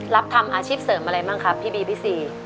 รับทำอาชีพเสริมอะไรบ้างครับพี่บีพี่ซี